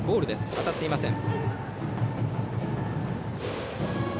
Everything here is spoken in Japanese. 当たっていません。